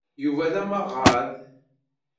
Yuba d amaɣad.